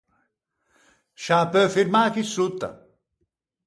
Sciâ peu firmâ chì sotta.